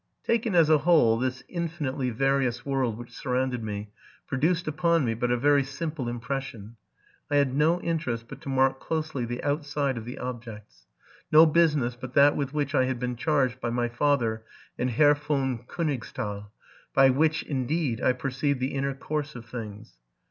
Taken as a whole, this infinitely various world which sur rounded me produced upon me but a very simple impression. I had no interest but to mark closely the outside of the objects, no business but that with which I had been charged by my father and Herr von Konigsthal, by which, indeed, I perceived the inner course of things.